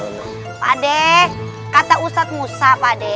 pak adeh kata ustadz musa